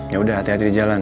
yaudah hati hati di jalan